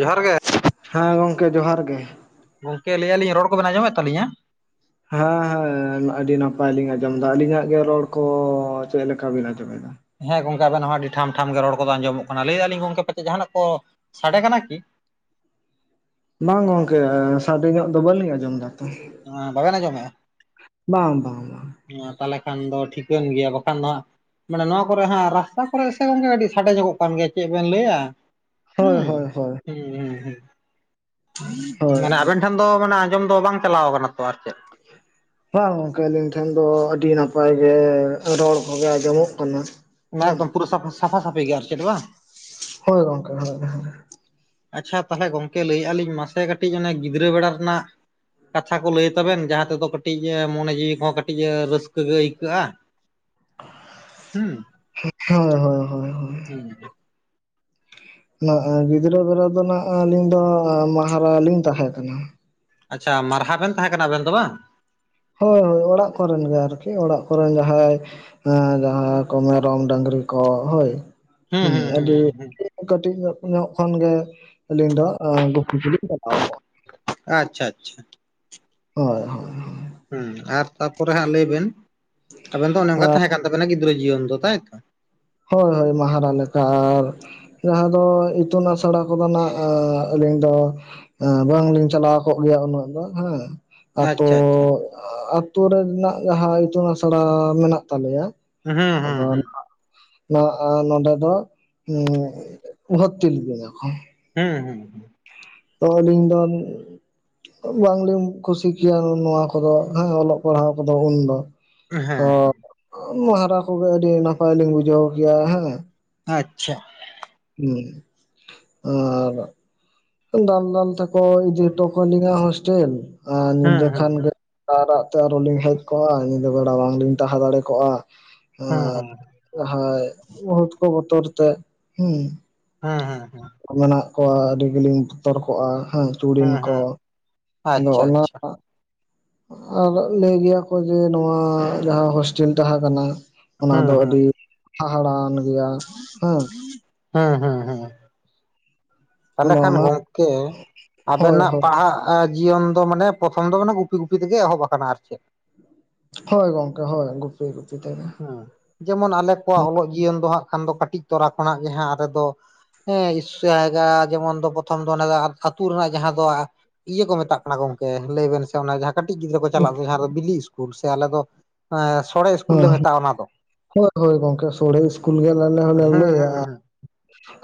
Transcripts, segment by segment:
ᱡᱚᱦᱟᱸᱨ ᱜᱮ᱾ ᱦᱮ ᱜᱚᱝᱠᱮ ᱡᱚᱦᱟᱸᱨ ᱜᱮ᱾ ᱜᱚᱝᱠᱮ ᱞᱟᱹᱭ ᱟᱞᱤᱧ ᱨᱚᱲ ᱠᱚᱵᱮᱱ ᱟᱢᱚᱢ ᱮᱫ ᱛᱟᱹᱤᱧᱟ? ᱦᱮᱸ ᱦᱮᱸ ᱟᱹᱰᱤ ᱱᱟᱯᱟᱭ ᱞᱤᱧ ᱟᱸᱡᱚᱢ ᱮᱫᱟ ᱟᱹᱞᱤᱧᱟᱜ ᱜᱮ ᱨᱚᱲ ᱠᱚ ᱪᱮᱫᱞᱮᱠᱟ ᱵᱤᱱ ᱟᱡᱚᱢ ᱮᱫᱟ? ᱦᱮᱸ ᱜᱚᱝᱠᱮ ᱟᱵᱮᱱᱟ ᱦᱚᱸ ᱟᱹᱰᱤ ᱴᱷᱟᱢ ᱴᱷᱟᱢ ᱜᱮ ᱨᱚᱲ ᱠᱚᱫᱚ ᱟᱸᱡᱚᱢᱚᱜ ᱠᱟᱱᱟ᱾ ᱞᱟᱹᱭᱫᱟᱞᱤᱧ ᱜᱚᱝᱠᱮ ᱯᱟᱪᱮᱫ ᱡᱟᱦᱟᱱᱟᱜ ᱠᱚ ᱥᱟᱰᱮ ᱠᱟᱱᱟ ᱠᱤ? ᱵᱟᱝ ᱜᱚᱝᱠᱮ ᱥᱟᱰᱮ ᱧᱚᱜ ᱫᱚ ᱵᱟᱹᱞᱤᱧ ᱟᱡᱚᱢ ᱫᱟ᱾ ᱮᱸ ᱵᱟᱵᱮᱱ ᱟᱸᱡᱚᱢᱮᱜᱼᱟ? ᱵᱟᱝ ᱵᱟᱝ ᱵᱟᱝ ᱦᱮᱸᱛᱟᱦᱞᱮ ᱠᱷᱟᱱ ᱫᱚ ᱴᱷᱤᱠᱟᱹᱱ ᱜᱮᱭᱟ, ᱵᱟᱠᱷᱟᱱ ᱫᱚ ᱦᱟᱸᱜ ᱢᱟᱱᱮ ᱱᱚᱣᱟ ᱠᱚᱨᱮ ᱦᱟᱸᱜ ᱨᱟᱥᱛᱟ ᱠᱚᱨᱮᱜ ᱥᱮ ᱜᱚᱝᱠᱮ ᱠᱟᱹᱴᱤᱡ ᱥᱟᱸᱰᱮ ᱧᱚᱜᱚᱜ ᱠᱟᱱ ᱜᱮᱭᱟ, ᱪᱮᱫ ᱵᱮᱱ ᱞᱟᱹᱭᱟ? ᱦᱳᱭ ᱦᱩᱸ, ᱦᱳᱭ ᱦᱳᱭ ᱦᱩᱸ ᱦᱩᱸ ᱦᱩᱸ᱾ ᱦᱳᱭ ᱢᱟᱱᱮ ᱟᱵᱤᱱ ᱴᱷᱮᱱ ᱫᱚ ᱢᱟᱱᱮ ᱟᱸᱡᱚᱢ ᱫᱚ ᱵᱟᱝ ᱪᱟᱞᱟᱣ ᱠᱟᱱᱟ ᱛᱚ ᱟᱨ ᱪᱮᱫ᱾ [inaudible] ᱵᱟᱝ ᱜᱚᱝᱠᱮ ᱟᱹᱞᱤᱧ ᱴᱷᱮᱱ ᱫᱚ ᱟᱹᱰᱤ ᱱᱟᱯᱟᱭ ᱜᱮ ᱨᱚᱲ ᱠᱚᱜᱮ ᱟᱸᱡᱚᱢᱚ-ᱜ ᱠᱟᱱᱟ᱾ ᱚᱱᱟ ᱦᱩᱸ ᱮᱠᱫᱚᱢ ᱯᱩᱨᱟᱹ ᱥᱟ ᱥᱟᱯᱷᱟ ᱥᱟᱯᱷᱤ ᱜᱮᱭᱟ ᱟᱨ ᱪᱮᱫ ᱵᱟᱝ? ᱦᱳᱭ ᱜᱚᱝᱠᱮ ᱦᱳᱭ ᱦᱳᱭ᱾ ᱟᱪᱪᱷᱟ ᱛᱟᱦᱟᱞᱮ ᱜᱚᱝᱠᱮ ᱞᱟᱹᱭᱮᱜ-ᱟ ᱞᱤᱧ, ᱢᱟᱥᱮ ᱠᱟᱹᱴᱤᱡ ᱚᱱᱮ ᱜᱤᱫᱽᱨᱟᱹ ᱵᱮᱲᱟ ᱨᱮᱱᱟᱜ ᱠᱟᱛᱷᱟ ᱠᱚ ᱞᱟᱹᱭ ᱛᱟᱵᱮᱱ। ᱡᱟᱦᱟᱸ ᱛᱮᱫᱚ ᱠᱟᱹᱴᱤᱡ ᱮᱸ ᱢᱚᱱᱮ ᱡᱤᱣᱤ ᱠᱚᱦᱚᱸ ᱠᱟᱹᱴᱤᱡ ᱨᱟᱹᱥᱠᱟᱹ ᱜᱮ ᱟᱹᱭᱠᱟᱹᱜᱼᱟ। [inaudible] ᱦᱩᱸ, ᱦᱳᱭ ᱦᱳᱭ ᱦᱳᱭ ᱦᱳᱭ ᱦᱩᱸ। ᱱᱟᱜ ᱜᱤᱫᱽᱨᱟᱹ ᱵᱮᱲᱟ ᱫᱚ ᱱᱟᱜ ᱟᱹᱞᱤᱧ ᱫᱚ ᱢᱟᱦᱟᱨᱟ ᱞᱤᱧ ᱛᱟᱦᱮᱸ ᱠᱟᱱᱟ। ᱟᱪᱪᱷᱟ ᱢᱟᱨᱦᱟᱜ ᱵᱮᱱ ᱛᱟᱦᱮᱸ ᱠᱟᱱᱟ ᱟᱵᱮᱱ ᱫᱚ ᱵᱟᱝ? ᱦᱳᱭ ᱦᱳᱭ ᱚᱲᱟᱜ ᱠᱚᱨᱮᱱ ᱜᱮ ᱟᱨᱠᱤ, ᱚᱲᱟᱜ ᱠᱚᱨᱮᱱ ᱡᱟᱦᱟᱸᱭ ᱦᱮᱸ ᱡᱟᱦᱟᱸ ᱠᱚ ᱢᱮᱨᱚᱢ ᱰᱟᱝᱨᱤ ᱠᱚ ᱦᱳᱭ, ᱦᱩᱸ। ᱟᱹᱰᱤ ᱠᱟᱹᱴᱤᱡ ᱧᱚᱜ ᱧᱚᱜ ᱠᱷᱚᱱ ᱜᱮ ᱟᱹᱞᱤᱧ ᱫᱚ ᱟᱻ ᱜᱩᱯᱤ ᱠᱚᱞᱤᱧ ᱪᱟᱞᱟᱣ ᱠᱚᱜᱼᱟ। ᱟᱪᱪᱷᱟ ᱟᱪᱪᱷᱟ। ᱦᱳᱭ ᱦᱳᱭ᱾ ᱦᱩᱸ ᱟᱨ ᱛᱟᱯᱚᱨᱮ ᱦᱟᱸᱜ ᱞᱟᱹᱭ ᱵᱮᱱ, ᱟᱵᱮᱱ ᱫᱚ ᱚᱱᱮ ᱚᱱᱠᱟ ᱛᱟᱦᱮᱸ ᱠᱟᱱ ᱛᱟᱵᱮᱱᱟ ᱜᱤᱫᱽᱨᱟᱹ ᱡᱤᱭᱚᱱ ᱫᱚ ᱛᱟᱭᱛᱚ? ᱦᱳᱭ ᱦᱳᱭ ᱢᱟᱦᱟᱨᱟ ᱞᱮᱠᱟ, ᱟᱨ ᱡᱟᱦᱟᱸ ᱫᱚ ᱤ ᱛᱩᱱ ᱟᱥᱲᱟ ᱠᱚᱫᱚ ᱱᱟᱜ ᱮᱸ ᱟᱹᱞᱤᱧ ᱫᱚ ᱮᱸ ᱵᱟᱝᱞᱤᱧ ᱪᱟᱞᱟᱣ ᱠᱚᱜ ᱜᱮᱭᱟ ᱩᱱᱟᱹᱜ ᱫᱚ ᱦᱮᱸ, ᱟᱛᱳ ᱟᱪᱪᱷᱟ ᱟᱪᱪᱷᱟ ᱟ ᱟᱛᱳ ᱨᱮ ᱨᱮᱱᱟᱜ ᱡᱟᱦᱟᱸ ᱤᱛᱩᱱ ᱟᱥᱲᱟ ᱢᱮᱱᱟᱜ ᱛᱟᱞᱮᱭᱟ, ᱦᱩᱸ ᱦᱩᱸ ᱦᱩᱸ᱾ ᱱᱟᱜ ᱟ ᱱᱚᱰᱮ ᱫᱚ ᱮᱸ ᱵᱷᱚᱨᱛᱤ ᱞᱤᱫᱤᱧᱟᱠᱚ। ᱦᱮᱸ ᱦᱩᱸ ᱦᱩᱸ᱾ ᱛᱚ ᱟᱹᱞᱤᱧ ᱫᱚ ᱩᱸ ᱵᱟᱝᱞᱤᱧ ᱠᱩᱥᱤ ᱠᱮᱭᱟ ᱱᱚᱣᱟ ᱠᱚᱫᱚ, ᱦᱮᱸ ᱚᱞᱚᱜ ᱯᱟᱲᱦᱟᱣ ᱠᱚᱫᱚ ᱩᱱᱫᱚ। ᱦᱩᱸ ᱛᱚ, ᱦᱮᱸ ᱢᱟᱦᱟᱨᱟ ᱠᱚᱜᱮ ᱟᱹᱰᱤ ᱱᱟᱯᱟᱭ ᱞᱤᱧ ᱵᱩᱡᱷᱟᱹᱣ ᱜᱮᱭᱟ ᱦᱮᱸ᱾ ᱟᱪᱪᱷᱟ᱾ ᱦᱩᱸ, ᱟᱨ ᱫᱟᱞ ᱫᱟᱞ ᱛᱮᱠᱚ ᱤᱫᱤ ᱦᱚᱴᱚ ᱠᱟᱞᱤᱧᱟ ᱦᱳᱥᱴᱮᱞ, ᱟᱨ ᱦᱩᱸ ᱧᱤᱫᱟᱹ ᱦᱩᱸ ᱠᱷᱟᱱ ᱜᱮ ᱨᱟᱜᱼᱨᱟᱜ ᱛᱮ ᱟᱨᱚ ᱞᱤᱧ ᱦᱮᱡ ᱠᱚᱜᱼᱟ, ᱧᱤᱫᱟᱹ ᱵᱮᱲᱟ ᱵᱟᱝᱞᱤᱧ ᱛᱟᱦᱮᱸ ᱫᱟᱲᱮ ᱠᱚᱜᱼᱟ। ᱦᱩᱸ ᱟᱨ ᱦᱩᱸ ᱡᱟᱦᱟᱸᱭ ᱵᱷᱩᱛ ᱠᱚ ᱵᱚᱛᱚᱨ ᱛᱮ, ᱦᱩᱸ᱾ ᱦᱮᱸ ᱦᱮᱸ ᱦᱮᱸ। ᱢᱮᱱᱟᱜ ᱠᱚᱣᱟ ᱟᱹᱰᱤ ᱜᱮᱞᱤᱧ ᱵᱚᱛᱚᱨ ᱠᱚᱜᱼᱟ ᱦᱮᱸ, ᱪᱩᱲᱤᱱ ᱦᱩᱸ ᱠᱚ। ᱦᱩᱸ ᱟᱫᱚ ᱟᱪᱪᱷᱟ ᱚᱱᱟ ᱟᱪᱪᱷᱟ ᱟᱨ ᱞᱟᱹᱭ ᱜᱮᱭᱟᱠᱚ, ᱡᱮ ᱱᱚᱣᱟ ᱡᱟᱦᱟᱸ ᱦᱳᱥᱴᱮᱞ ᱛᱟᱦᱮᱸ ᱠᱟᱱᱟ ᱚᱱᱟ ᱫᱚ ᱟᱹᱰᱤ ᱦᱟᱦᱟᱲᱟᱜ ᱟᱱ ᱦᱮᱸ ᱦᱮᱸ ᱦᱮᱸ᱾ ᱛᱟᱦᱟᱞᱮ ᱟᱫᱚ ᱠᱷᱟᱱ ᱚᱱᱟ ᱜᱚᱢᱠᱮ, ᱦᱳᱭ ᱟᱵᱮᱱᱟᱜ ᱦᱳᱭ ᱯᱟᱲᱦᱟᱜ ᱟ ᱡᱤᱭᱚᱱ ᱫᱚ ᱢᱟᱱᱮ ᱯᱨᱚᱛᱷᱚᱢ ᱫᱚ ᱢᱟᱱᱮ ᱜᱩᱯᱤ ᱜᱩᱯᱤ ᱛᱮᱜᱮ ᱮᱦᱚᱵ ᱟᱠᱟᱱᱟ, ᱟᱨ ᱪᱮᱫ? ᱦᱳᱭ ᱜᱚᱝᱠᱮ ᱦᱳᱭ, ᱜᱩᱯᱤ ᱜᱩᱯᱤ ᱛᱮᱜᱮ᱾ ᱦᱮᱸ ᱡᱮᱢᱚᱱ ᱟᱞᱮ ᱠᱚᱣᱟᱜ ᱚᱞᱚᱜ ᱡᱤᱭᱚᱱ ᱫᱚ ᱦᱟᱸᱜ ᱠᱷᱟᱱ ᱫᱚ ᱠᱟᱹᱴᱤᱡ ᱛᱚᱨᱟ ᱠᱷᱚᱱᱟᱜ ᱜᱮ ᱡᱟᱦᱟᱸ ᱟᱞᱮ ᱫᱚ ᱦᱮᱸ ᱤᱥ ᱡᱟᱭᱜᱟ, ᱡᱮᱢᱚᱱ ᱫᱚ ᱯᱨᱚᱛᱷᱚᱢ ᱫᱚ ᱚᱱᱟᱫᱚ ᱟ ᱟᱹᱛᱩ ᱨᱮᱱᱟᱜ ᱡᱟᱦᱟᱸ ᱫᱚ ᱟ ᱤᱭᱟᱹ ᱠᱚ ᱢᱮᱛᱟᱜ ᱠᱟᱱᱟ ᱜᱚᱝᱠᱮ, ᱞᱟᱹᱭ ᱵᱮᱱ ᱥᱮ ᱚᱱᱟ ᱡᱟᱦᱟᱸ ᱠᱟᱹᱴᱤᱡ ᱜᱤᱫᱽᱨᱟᱹ ᱠᱚ ᱪᱟᱞᱟᱜᱼᱟ ᱫᱚ ᱡᱟᱦᱟᱸ ᱨᱮ ᱵᱤᱞᱤ ᱤᱥᱠᱩᱞ, ᱥᱮ ᱟᱞᱮ ᱫᱚ ᱮᱸ ᱥᱚᱲᱮ ᱤᱥᱠᱩᱞ ᱞᱮ ᱦᱮᱸ, ᱢᱮᱛᱟᱜᱼᱟ ᱚᱱᱟ ᱫᱚ ᱦᱳᱭ ᱦᱳᱭ ᱜᱚᱢᱠᱮ, ᱥᱚᱲᱦᱮ ᱤᱥᱠᱩᱞ ᱜᱮ ᱟᱞᱮ ᱦᱩᱸ ᱦᱚᱸᱞᱮ ᱦᱩᱸ ᱞᱟᱹᱭᱟ। ᱦᱩᱸ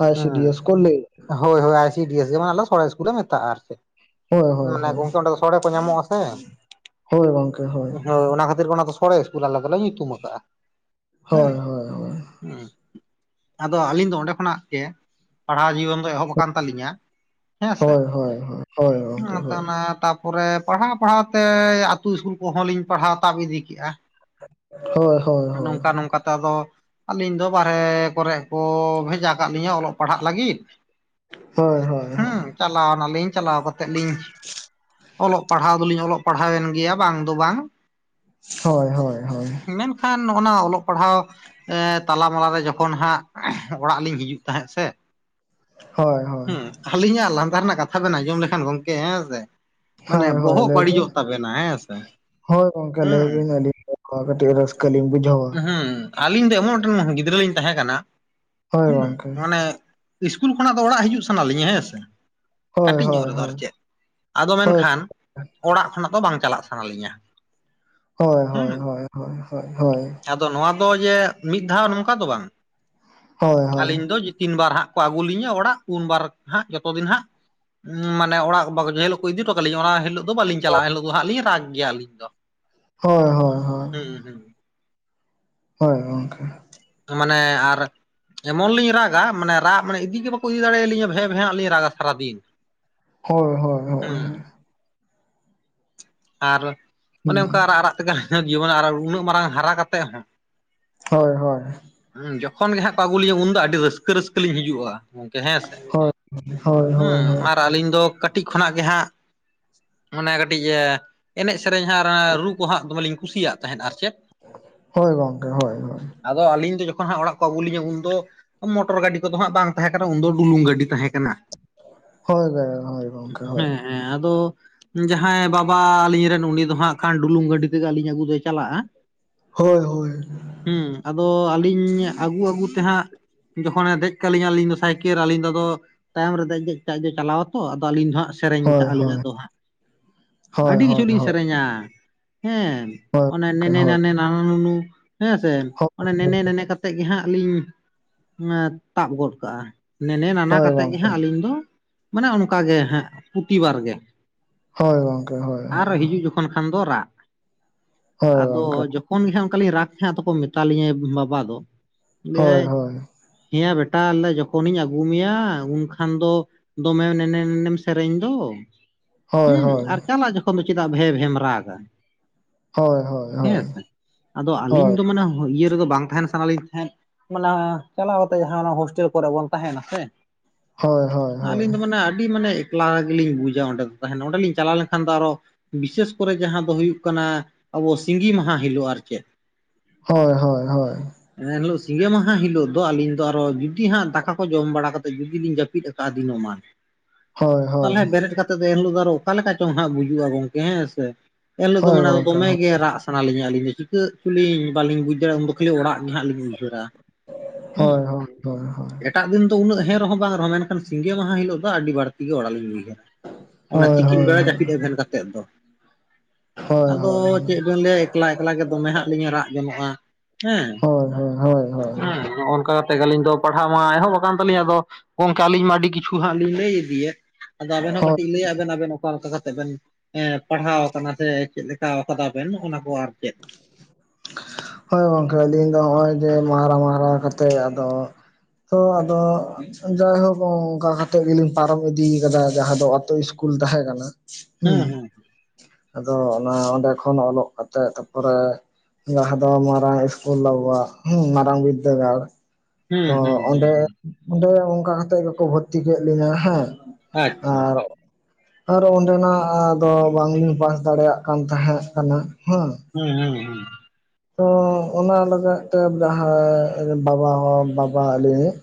ᱟᱭ ᱥᱤ ᱰᱤ ᱮᱥ ᱦᱩᱸ ᱠᱚ ᱞᱟᱹᱭᱟ᱾ ᱦᱳᱭ ᱦᱳᱭ ᱟᱭ ᱥᱤ ᱰᱤ ᱮᱥ। ᱡᱮᱢᱚᱱ ᱟᱞᱮ ᱫᱚ ᱥᱚᱲᱮ ᱤᱥᱠᱩᱞ ᱞᱮ ᱢᱮᱛᱟᱜᱼᱟ ᱟᱨ ᱪᱮᱫ? ᱦᱳᱭ ᱦᱳᱭ ᱢᱟᱱᱮ ᱦᱳᱭ ᱜᱚᱝᱠᱮ ᱚᱸᱰᱮ ᱫᱚ ᱥᱚᱲᱮ ᱠᱚ ᱧᱟᱢᱚᱜᱼᱟ ᱥᱮ? ᱦᱳᱭ ᱜᱚᱝᱠᱮ ᱦᱳᱭ ᱸᱦᱳᱭ ᱚᱱᱟ ᱠᱷᱟᱹᱛᱤᱨ ᱜᱮ ᱚᱱᱟ ᱫᱚ ᱥᱚᱲᱮ ᱤᱥᱠᱩᱞ ᱟᱞᱮ ᱫᱚᱞᱮ ᱧᱩᱛᱩᱢ ᱠᱟᱜᱼᱟ। ᱦᱮᱸ, ᱦᱳᱭ ᱦᱳᱭ ᱦᱳᱭ ᱦᱩᱸ᱾ ᱟᱫᱚ ᱟᱹᱞᱤᱧ ᱫᱚ ᱚᱸᱰᱮ ᱠᱷᱚᱱᱟᱜ ᱜᱮ, ᱯᱟᱲᱦᱟᱣ ᱡᱤᱭᱚᱱ ᱫᱚ ᱮᱦᱚᱵ ᱟᱠᱟᱱ ᱛᱟᱹᱟᱞᱤᱧᱟ। ᱦᱮᱸ ᱥᱮ? ᱦᱳᱭ ᱦᱳᱭ ᱦᱳᱭ ᱦᱳᱭ ᱜᱚᱝᱠᱮ ᱦᱳᱭ [unintelligible] ᱯᱚᱨᱮ ᱯᱟᱲᱦᱟᱣ ᱯᱟᱲᱦᱟᱣ ᱛᱮ ᱟᱛᱩ ᱤᱥᱠᱩᱞ ᱠᱚᱦᱚᱸ ᱞᱤᱧ ᱯᱟᱲᱦᱟᱣ ᱛᱟᱵ ᱤᱫᱤ ᱠᱮᱜᱼᱟ। [inaudible] ᱦᱳᱭ ᱦᱳᱭ᱾ ᱦᱳᱭ ᱱᱚᱝᱠᱟ ᱱᱚᱝᱠᱟ ᱛᱮ ᱟᱫᱚ, ᱟᱹᱞᱤᱧ ᱫᱚ ᱵᱟᱨᱦᱮ ᱠᱚᱨᱮᱜ ᱠᱚ ᱵᱷᱮᱡᱟ ᱠᱟᱜ ᱞᱤᱧᱟ ᱚᱞᱚᱜ ᱯᱟᱲᱦᱟᱜ ᱞᱟᱹᱜᱤᱫ᱾ ᱦᱳᱭ ᱦᱳᱭ ᱦᱳᱭ᱾ ᱦᱮᱸ ᱪᱟᱞᱟᱣ ᱱᱟᱞᱤᱧ ᱪᱟᱞᱟᱣ ᱠᱟᱛᱮᱫ ᱞᱤᱧ ᱚᱞᱚᱜ ᱯᱟᱲᱦᱟᱣ ᱫᱚᱞᱤᱧ ᱚᱞᱚᱜ ᱯᱟᱲᱦᱟᱣᱮᱱ ᱜᱮᱭᱟ ᱵᱟᱝ ᱫᱚ ᱵᱟᱝ᱾ ᱦᱳᱭ ᱦᱳᱭ ᱦᱳᱭ᱾ ᱢᱮᱱᱠᱷᱟᱱ ᱱᱚᱜ-ᱚ ᱱᱟ ᱚᱞᱚᱜ ᱯᱟᱲᱦᱟᱣ ᱮᱸ ᱛᱟᱞᱟ ᱢᱟᱞᱟ ᱨᱮ ᱡᱚᱠᱷᱚᱱ ᱦᱟᱸᱜ ᱚᱲᱟᱜ ᱞᱤᱧ ᱦᱤᱡᱩᱜ ᱛᱟᱦᱮᱸᱫ ᱥᱮ ᱦᱳᱭ ᱦᱳᱭ ᱦᱮᱸ᱾ ᱟᱹᱞᱤᱧᱟᱜ ᱞᱟᱸᱫᱟ ᱨᱮᱱᱟᱜ ᱠᱟᱛᱷᱟ ᱵᱮᱱ ᱟᱸᱡᱚᱢ ᱞᱮᱠᱷᱟᱱ ᱜᱚᱢᱠᱮ ᱦᱮᱸ ᱥᱮ᱾ ᱢᱟᱱᱮ ᱦᱳᱭ ᱦᱳᱭ ᱵᱚᱦᱚᱜ ᱞᱟᱹᱭ ᱵᱤᱱ ᱵᱟᱹᱲᱤᱡᱚᱜ ᱛᱟᱵᱮᱱᱟ ᱦᱮᱸ ᱥᱮ᱾ ᱦᱳᱭ ᱜᱚᱝᱠᱮ ᱞᱟᱹᱭ ᱦᱮᱸ [unintelligible] ᱵᱩᱡᱷᱟᱹᱣᱟ ᱦᱩᱸ ᱦᱩᱸ ᱟᱹᱞᱤᱧ ᱫᱚ ᱮᱢᱚᱱ ᱢᱮᱫᱴᱮᱱ ᱜᱤᱫᱽᱨᱟᱹ ᱞᱤᱧ ᱛᱟᱦᱮᱸ ᱠᱟᱱᱟ᱾ ᱦᱳᱭ ᱦᱩᱸ᱾ ᱜᱚᱝᱠᱮ ᱢᱟᱱᱮ ᱤᱥᱠᱩᱞ ᱠᱷᱚᱱᱟᱜ ᱫᱚ ᱚᱲᱟᱜ ᱦᱤᱡᱩᱜ ᱥᱟᱱᱟ ᱞᱤᱧᱟ ᱦᱮᱸᱥᱮ᱾ ᱦᱳᱭ ᱠᱟᱹᱴᱤᱡ ᱧᱚᱜ ᱦᱳᱭ ᱨᱮᱫᱚ ᱟᱨ ᱦᱳᱭ ᱪᱮᱫ᱾ ᱟᱫᱚ ᱦᱳᱭ ᱢᱮᱱᱠᱷᱟᱱ ᱚᱲᱟᱜ ᱠᱷᱚᱱᱟᱜ ᱫᱚ ᱵᱟᱝ ᱪᱟᱞᱟᱜ ᱥᱟᱱᱟᱞᱤᱧᱟ᱾ ᱦᱳᱭ ᱦᱳᱭ ᱦᱳᱭ ᱦᱳᱭ ᱦᱳᱭ ᱦᱳᱭ ᱦᱳᱭ᱾ ᱟᱫᱚ ᱱᱚᱣᱟ ᱫᱚ ᱡᱮ ᱢᱤᱫ ᱫᱷᱟᱣ ᱱᱚᱝᱠᱟ ᱫᱚ ᱵᱟᱝ ᱦᱳᱭ ᱦᱳᱭ ᱦᱳᱭ ᱟᱹᱞᱤᱧ ᱫᱚ ᱡᱮ ᱛᱤᱱ ᱵᱟᱨ ᱦᱟᱸᱜ᱾ ᱠᱚ ᱟᱹᱜᱩ ᱞᱤᱧᱟᱹ ᱚᱲᱟᱜ᱾ ᱩᱱ ᱵᱟᱨ ᱦᱟᱸᱜ ᱡᱚᱛᱚ ᱫᱤᱱ ᱦᱟᱸᱜ ᱩᱸ ᱢᱟᱱᱮ ᱚᱲᱟᱜ ᱵᱟᱠᱚ ᱡᱮ ᱦᱤᱞᱳᱜ ᱠᱚ ᱤᱫᱤ ᱦᱴᱚ ᱠᱟᱞᱤᱧᱟ ᱚᱱᱟ ᱦᱤᱞᱳᱜ ᱫᱚ ᱵᱟᱹᱞᱤᱧ ᱪᱟᱞᱟᱜᱼᱟ, ᱮᱱ ᱦᱤᱞᱳᱜ ᱫᱚ ᱦᱟᱸᱜ ᱞᱤᱧ ᱨᱟᱜ ᱜᱮᱭᱟ ᱟᱹᱞᱤᱧ ᱫᱚ᱾ ᱦᱳᱭ ᱦᱳᱭ ᱦᱳᱭ᱾ ᱦᱩᱸ ᱦᱩᱸ᱾ ᱦᱳᱭ ᱜᱚᱝᱠᱮ᱾ ᱢᱟᱱᱮ ᱟᱨ ᱮᱢᱚᱱ ᱞᱤᱧ ᱨᱟᱜᱟ ᱢᱟᱱᱮ ᱨᱟᱜ ᱢᱟᱱᱮ ᱤᱫᱤ ᱜᱮ ᱵᱟᱠᱚ ᱤᱫᱤ ᱫᱟᱲᱮᱭᱟᱞᱤᱧᱟ ᱵᱷᱮᱸ-ᱵᱷᱮᱸ ᱦᱟᱸᱜ ᱞᱤᱧ ᱨᱟᱜᱟ ᱥᱟᱨᱟᱫᱤᱱ᱾ ᱦᱳᱭ ᱦᱳᱭ ᱦᱳᱭ ᱦᱮᱸ ᱦᱳᱭ᱾ ᱟᱨ ᱚᱱᱮ ᱚᱱᱠᱟ ᱨᱟᱜ ᱨᱟᱜ ᱛᱮᱜᱮ [unintelligible] ᱡᱤᱵᱚᱱ [unintelligible] ᱩᱱᱟᱹᱜ ᱢᱟᱨᱟᱝ ᱦᱟᱨᱟ ᱠᱟᱛᱮᱫ ᱦᱚᱸ᱾ ᱦᱳᱭ ᱦᱳᱭ᱾ ᱦᱩᱸ ᱡᱚᱠᱷᱚᱱ ᱜᱮ ᱦᱟᱸᱜ ᱠᱚ ᱟᱹᱜᱩ ᱞᱤᱧᱟ, ᱩᱱ ᱫᱚ ᱟᱹᱰᱤ ᱨᱟᱹᱥᱠᱟᱹ ᱨᱟᱹᱥᱠᱟᱹ ᱞᱤᱧ ᱦᱤᱡᱩᱜᱼᱟ᱾ ᱜᱚᱢᱠᱮ ᱦᱮᱸ ᱥᱮ, ᱦᱳᱭ ᱦᱩᱸ ᱦᱳᱭ ᱦᱳᱭ ᱟᱨ ᱟᱹᱞᱤᱧ ᱫᱚ ᱠᱟᱹᱴᱤᱡ ᱠᱷᱚᱱᱟᱜ ᱜᱮ ᱦᱟᱸᱜ ᱢᱟᱱᱮ ᱠᱟᱹᱴᱤᱡ ᱮ ᱮᱱᱮᱡ ᱥᱮᱨᱮᱧ ᱦᱟᱸᱜ ᱟᱨ ᱚᱱᱟ ᱨᱩ ᱠᱚ ᱦᱟᱸᱜ ᱫᱚᱢᱮ ᱞᱤᱧ ᱠᱩᱥᱤᱭᱟᱜ ᱛᱟᱦᱮᱸᱫ ᱟᱨ ᱪᱮᱫ ᱦᱳᱭ ᱜᱚᱝᱠᱮ ᱦᱳᱭ ᱦᱳᱭ᱾ ᱟᱫᱚ ᱟᱹᱞᱤᱧ ᱫᱚ ᱡᱚᱠᱷᱚᱱ ᱦᱟᱸᱜ ᱚᱲᱟᱜ ᱠᱚ ᱟᱹᱜᱩ ᱞᱤᱧᱟ ᱩᱱᱫᱚ ᱢᱚᱴᱚᱨ ᱜᱟᱹᱰᱤ ᱠᱚᱫᱚ ᱦᱟᱸᱜ ᱵᱟᱝ ᱛᱟᱦᱮᱸ ᱠᱟᱱᱟ, ᱩᱱᱫᱚ ᱰᱩᱞᱩᱝ ᱜᱟᱹᱰᱤ ᱛᱟᱦᱮᱸ ᱠᱟᱱᱟ᱾ ᱦᱳᱭ [unintelligible] ᱦᱳᱭ ᱜᱚᱢᱠᱮ ᱦᱳᱭ᱾ ᱦᱮᱸ ᱦᱮᱸ ᱟᱫᱚ ᱡᱟᱦᱟᱸᱭ ᱵᱟᱵ ᱵᱟ ᱟᱹᱞᱤᱧ ᱨᱮᱱ ᱩᱱᱤ ᱫᱚ ᱦᱟᱸᱜ ᱠᱷᱟᱱ ᱰᱩᱞᱩᱝ ᱜᱟᱹᱰᱤ ᱛᱮᱜᱮ ᱟᱹᱞᱤᱧ ᱟᱹᱜᱩ ᱫᱚᱭ ᱪᱟᱞᱟᱜᱼᱟ᱾ ᱦᱳᱭ ᱦᱳᱭ ᱦᱳᱭ᱾ ᱦᱩᱸ ᱟᱫᱚ ᱟᱹᱞᱤᱧ ᱟᱹᱜᱩ ᱟᱹᱜᱩ ᱛᱮ ᱦᱟᱸᱜ ᱡᱚᱠᱷᱚᱱᱮ ᱫᱮᱡ ᱠᱟᱞᱤᱧᱟ ᱟᱹᱞᱤᱧ ᱫᱚ ᱥᱟᱭᱠᱮᱞ ᱟᱹᱞᱤᱧ ᱫᱚ ᱟᱫᱚ ᱛᱟᱭᱚᱢ ᱨᱮ ᱫᱮᱡ ᱫᱮᱡ ᱛᱮ ᱟᱡ ᱫᱚᱭ ᱪᱟᱞᱟᱣᱟ ᱛᱚ, ᱟᱫᱚ ᱟᱹᱞᱤᱧ ᱫᱚ ᱦᱟᱸᱜ ᱥᱮᱨᱮᱧ ᱦᱳᱭ ᱠᱟᱜᱼᱟ ᱞᱤᱧ ᱦᱳᱭ ᱟᱫᱚ ᱦᱟᱸᱜ᱾ ᱟᱹᱰᱤ ᱦᱳᱭ ᱦᱳᱭ ᱠᱤᱪᱷᱩᱞᱤᱧ ᱥᱮᱨᱮᱧᱟ ᱦᱮᱸ ᱦᱳᱭ ᱦᱳᱭ ᱚᱱᱮ ᱜᱚᱝᱠᱮ ᱱᱮᱱᱮ ᱦᱳᱭ ᱱᱟᱱᱮᱱ ᱱᱟᱱᱟ ᱱᱩᱱᱩ ᱦᱮᱸᱥᱮ, ᱚᱱᱮ ᱱᱮ ᱱᱮ ᱠᱟᱛ ᱛᱮᱫ ᱜᱮ ᱦᱟᱸᱜ ᱞᱤᱧ ᱮ ᱛᱟᱵ ᱜᱚᱫ ᱠᱟᱜᱼᱟ᱾ ᱱᱮᱱᱮ ᱱᱟᱱᱟ ᱦᱳᱭ ᱦᱳᱭ ᱠᱟᱛᱮᱫ ᱜᱮ ᱜᱚᱝᱠᱮ ᱦᱟᱸᱜ ᱟᱹᱞᱤᱧ ᱫᱚ ᱢᱟᱱᱮ ᱚᱱᱠᱟ ᱜᱮ ᱦᱟᱸᱜ ᱯᱩᱛᱤᱵᱟᱨ ᱜᱮ᱾ ᱦᱳᱭ ᱜᱚᱝᱠᱮ ᱦᱳᱭ ᱦᱳᱭ ᱦᱳᱭ᱾ ᱛᱚᱠᱷᱚᱱ ᱠᱷᱟᱱ ᱫᱚ ᱨᱟᱜ᱾ ᱦᱳᱭ ᱟᱫᱚ ᱜᱚᱝᱠᱮ ᱡᱚᱠᱷᱚᱱ ᱜᱮ ᱦᱟᱸᱜ ᱚᱱᱠᱟᱞᱤᱧ ᱨᱟᱜᱽ ᱦᱮᱸ ᱟᱛᱚᱠᱚ ᱢᱮᱛᱟᱞᱤᱧᱟᱭ ᱵᱟᱵᱟ ᱫᱚ᱾ ᱦᱳᱭ ᱞᱟᱹᱭᱟᱭ ᱦᱳᱭ ᱦᱮᱸ ᱭᱟ ᱵᱮᱴᱟ ᱞᱟᱹᱭᱫᱟᱭ ᱡᱚᱠᱷᱚᱱᱤᱧ ᱟᱹᱜᱩ ᱢᱮᱭᱟ ᱩᱱᱠᱷᱟᱱ ᱫᱚ ᱫᱚᱢᱮ ᱱᱮᱱᱮ ᱱᱮᱱᱮᱢ ᱥᱮᱨᱮᱧ ᱫᱚ᱾ ᱦᱳᱭ ᱦᱩᱸ᱾ ᱦᱳᱭ ᱟᱨ ᱪᱟᱞᱟᱜ ᱡᱚᱠᱷᱚᱱ ᱫᱚ ᱪᱮᱫᱟᱜ ᱵᱷᱮ-ᱵᱷᱮᱢ ᱨᱟᱜᱟ? ᱦᱳᱭ ᱦᱳᱭ ᱦᱮᱸ ᱦᱳᱭ ᱥᱮ᱾ ᱟᱫᱚ ᱟᱹᱞᱤᱧ ᱦᱳᱭ ᱫᱚ ᱢᱟᱱᱮ ᱤᱭᱟᱹ ᱨᱮᱫᱚ ᱵᱟᱝ ᱛᱟᱦᱮᱱ ᱥᱟᱱᱟ ᱞᱧ ᱛᱟᱦᱮᱸ᱾ ᱢᱟᱱᱮ ᱪᱟᱞᱟᱣ ᱠᱟᱛᱮᱜ ᱡᱟᱦᱟᱸ ᱚᱱᱟ ᱦᱳᱥᱴᱮᱞ ᱠᱚᱨᱮ ᱵᱚᱱ ᱛᱟᱦᱮᱱᱟ ᱥᱮ᱾ ᱦᱳᱭ ᱦᱳᱭ ᱟᱹᱞᱤᱧ ᱦᱳᱭ ᱫᱚ ᱢᱟᱱᱮ ᱟᱹᱰᱤ ᱢᱟᱱᱮ ᱮᱠᱞᱟ ᱜᱮᱞᱤᱧ ᱵᱩᱡᱟ ᱚᱸᱰᱮ ᱫᱚ ᱛᱟᱦᱮᱱ ᱚᱸᱰᱮ ᱞᱤᱧ ᱪᱟᱞᱟᱣ ᱞᱮᱱ ᱠᱷᱟᱱ ᱫᱚ ᱟᱨᱚ ᱵᱤᱥᱮᱥ ᱠᱚᱨᱮ ᱡᱟᱦᱟᱸ ᱫᱚ ᱦᱩᱭᱩᱜ ᱠᱟᱱᱟ ᱟᱵᱚ ᱥᱤᱸᱜᱤ ᱢᱟᱦᱟ ᱦᱤᱞᱳᱜ, ᱟᱨ ᱪᱮᱫ? ᱦᱳᱭ ᱦᱳᱭ ᱦᱳᱭ᱾ ᱮᱱ ᱦᱤᱞᱳᱜ ᱥᱤᱸᱜᱮ ᱢᱟᱦᱟ ᱦᱤᱞᱳᱜ ᱫᱚ ᱟᱹᱞᱤᱧ ᱫᱚ ᱟᱨᱚ ᱡᱩᱫᱤ ᱦᱟᱸᱜ ᱫᱟᱠᱟ ᱠᱚ ᱡᱚᱢ ᱵᱟᱲᱟ ᱠᱟᱛᱮᱫ ᱡᱩᱫᱤ ᱞᱤᱧ ᱡᱟᱹᱯᱤᱫ ᱠᱟ ᱫᱤᱱᱚᱢᱟᱱ᱾ ᱦᱳᱭ ᱦᱳᱭ ᱦᱳᱭ ᱛᱟᱞᱦᱮ ᱵᱮᱨᱮᱫ ᱠᱟᱛᱮᱫ ᱫᱚ ᱮᱱᱦᱤᱞᱳᱜ ᱫᱚ ᱟᱨᱚ ᱚᱠᱟᱞᱮᱠᱟ ᱪᱚᱝ ᱦᱟᱜ ᱵᱩᱡᱩᱜᱼᱟ ᱜᱚᱝᱠᱮ ᱦᱮᱸ ᱥᱮ᱾ ᱮᱱᱦᱤᱞᱳᱜ ᱫᱚ ᱦᱳᱭ ᱢᱟᱱᱮ ᱜᱚᱝᱠᱮ ᱫᱚᱢᱮ ᱦᱳᱭ ᱜᱮ ᱨᱟᱜ ᱥᱟᱱᱟᱞᱤᱧᱟ ᱟᱹᱞᱤᱧ ᱫᱚ ᱪᱤᱠᱟᱹᱜ ᱪᱚᱞᱤᱧ ᱵᱟᱞᱤᱧ ᱵᱩᱡᱽ ᱫᱟᱲᱮᱭᱟᱜᱼᱟ ᱩᱱᱫᱚ ᱠᱷᱟᱹᱞᱤ ᱚᱲᱟᱜ ᱜᱮ ᱦᱟᱸᱜ ᱞᱤᱧ ᱩᱭᱦᱟᱹᱨᱟ᱾ ᱦᱳᱭ ᱦᱳᱭ ᱦᱳᱭ ᱦᱳᱭ᱾ ᱴᱟᱜ ᱫᱤᱱ ᱫᱚ ᱩᱱᱟᱹᱜ ᱦᱮᱸ ᱨᱮᱦᱚᱸ ᱵᱟᱝ ᱨᱮᱦᱚᱸ ᱢᱮᱱᱠᱷᱟᱱ ᱥᱤᱸᱜᱮ ᱢᱟᱦᱟ ᱦᱤᱞᱳᱜ ᱫᱚ ᱟᱹᱰᱤ ᱵᱟᱹᱲᱛᱤ ᱜᱮ ᱚᱲᱟᱜ ᱞᱤᱧ ᱩᱭᱦᱟ. ᱨᱟ᱾ ᱚᱱᱟ ᱦᱳᱭ ᱛᱤᱠᱤᱱ ᱦᱳᱭ ᱦᱳᱭ ᱵᱮᱲᱟ ᱡᱟᱹᱯᱤᱫ ᱮᱵᱷᱮᱱ ᱠᱟᱛᱮᱫ ᱫᱚ᱾ ᱦᱳᱭ ᱟᱫᱚ ᱪᱮᱫ ᱦᱳᱭ ᱵᱤᱱ ᱞᱟᱹᱭᱟ ᱮᱠᱞᱟ ᱮᱠᱞᱟ ᱜᱮ ᱫᱚᱢᱮ ᱦᱟᱸᱜ ᱞᱤᱧ ᱨᱟᱜ ᱜᱚᱱᱚᱜᱼᱟ᱾ ᱦᱮᱸ ᱦᱳᱭ ᱦᱳᱭ ᱦᱳᱭ ᱦᱮᱸ ᱱᱚᱜ-ᱚᱱᱠᱟ ᱠᱟᱛᱮᱜ ᱜᱮ ᱟᱹᱞᱤᱧ ᱫᱚ ᱯᱟᱲᱦᱟᱜ ᱢᱟ ᱮᱦᱚᱵ ᱟᱠᱟᱱ ᱛᱟᱹᱞᱤᱧ ᱟᱫᱚ ᱜᱚᱝᱠᱮ ᱟᱹᱞᱤᱧ ᱢᱟ ᱟᱹᱰᱤ ᱠᱤᱪᱷᱩ ᱦᱟᱸᱜ ᱞᱤᱧ ᱞᱟᱹᱭ ᱤᱫᱤᱭᱮᱫ, ᱟᱫᱚ ᱟᱵᱮᱱ ᱦᱚᱸ ᱠᱟᱹᱴᱤᱡ ᱞᱟᱹᱭᱟᱜ ᱵᱮᱱ ᱚᱠᱟ ᱞᱮᱠᱟ ᱠᱟ ᱛᱮᱜ ᱵᱮᱱ ᱮᱸ ᱯᱟᱲᱦᱟᱣ ᱟᱠᱟᱱᱟ ᱥᱮ ᱪᱮᱫ ᱞᱮᱠᱟᱣ ᱠᱟᱫᱟ ᱵᱮᱱ ᱚᱱᱟ ᱠᱚ ᱟᱨ ᱪᱮᱫ᱾ ᱦᱳᱭ ᱜᱚᱝᱠᱮ ᱟᱹᱞᱤᱧ ᱫᱚ ᱦᱚᱸᱜᱼᱚᱭ ᱡᱮ ᱢᱟᱦᱨᱟ ᱢᱟᱦᱨᱟ ᱠᱟᱛᱮᱫ ᱟᱫᱚ ᱛᱚ ᱟᱫᱚ ᱡᱟᱭᱦᱳᱠ ᱚᱱᱠᱟ ᱠᱟᱛᱮᱜ ᱜᱮᱞᱤᱧ ᱯᱟᱨᱚᱢ ᱤᱫᱤ ᱠᱟᱫᱟ ᱡᱟᱦᱟᱸ ᱫᱚ ᱟᱛᱳ ᱤᱥ ᱠᱩᱞ ᱛᱟᱦᱮᱸ ᱠᱟᱱᱟ, ᱦᱩᱸ ᱟᱫᱚ ᱚᱱᱟ ᱚᱸᱰᱮ ᱠᱷᱚᱱ ᱚᱞᱚᱜ ᱠᱟᱛᱮ ᱯᱚᱨᱮ ᱡᱟᱦᱟᱸ ᱫᱚ ᱢᱟᱨᱟᱝ ᱤᱥᱠᱩᱞ ᱟᱵᱚᱣᱟᱜ ᱦᱩᱸ ᱢᱟᱨᱟᱝ ᱵᱤᱫᱽᱫᱟᱹᱜᱟᱲ ᱦᱩᱸ ᱛᱚ ᱦᱩᱸ ᱦᱩᱸ ᱚᱸᱰᱮ, ᱦᱩᱸ ᱚᱸᱰᱮ ᱚᱱᱠᱟ ᱠᱟᱛᱮᱜ ᱜᱮᱠᱚ ᱵᱷᱚᱨᱛᱤ ᱠᱮᱫ ᱞᱤᱧᱟᱹ, ᱦᱮᱸ᱾ ᱟᱪᱪᱷᱟ ᱟᱨ ᱟᱨᱚ ᱚᱸᱰᱮᱱᱟᱜ ᱫᱚ ᱵᱟᱝᱞᱤᱧ ᱯᱟᱥ ᱫᱟᱲᱮᱭᱟᱜ ᱠᱟᱱ ᱛᱟᱦᱮᱸᱜ ᱠᱟᱱᱟ, ᱦᱮᱸ᱾ ᱦᱩᱸ ᱦᱩᱸ ᱦᱩᱸ᱾ ᱛᱚ ᱚᱱᱟ ᱞᱟᱹᱜᱟᱫ ᱛᱮ ᱡᱟᱦᱟᱸᱭ ᱵᱟᱵᱟ ᱦᱚᱸ ᱵᱟᱵᱟ ᱟᱹᱞᱤᱧ ᱤᱡ